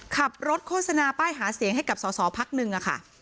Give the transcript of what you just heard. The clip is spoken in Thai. ขับรถโฆษณาป้ายหาเสียงให้กับศซพักนึง